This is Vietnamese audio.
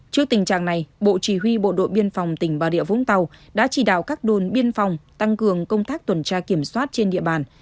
trước tình trạng này bộ chỉ huy bộ đội biên phòng tỉnh bà rịa vũng tàu đã chỉ đạo các đồn biên phòng tăng cường công tác tuần tra kiểm soát trên địa bàn